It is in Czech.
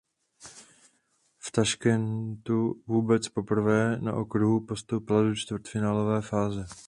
V Taškentu vůbec poprvé na okruhu postoupila do čtvrtfinálové fáze.